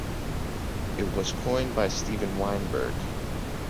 It was coined by Stephen Weinberg.